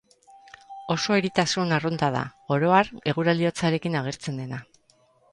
Oso eritasun arrunta da, oro har eguraldi hotzarekin agertzen dena.